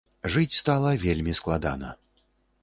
Жыць стала вельмі складана.